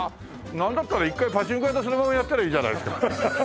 なんだったら一回パチンコ屋さんそのままやったらいいじゃないですか。